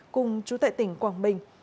cùng trú tại tỉnh quảng bình